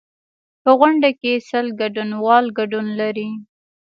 په غونډه کې سل ګډونوال ګډون لري.